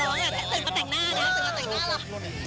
ตื่นก็แต่งหน้านะครับตื่นก็แต่งหน้าหรอ